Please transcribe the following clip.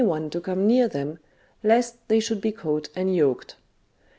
13 one to come near them, lest they should be caught and yoked.